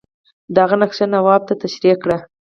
د هغه نقشه نواب ته تشریح کړي.